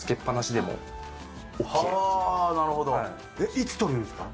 いつ取るんですか？